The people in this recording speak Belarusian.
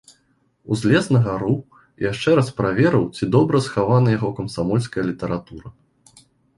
Узлез на гару, яшчэ раз праверыў, ці добра схавана яго камсамольская літаратура.